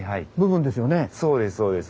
そうですそうです。